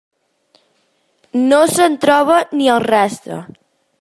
No se'n troba ni el rastre.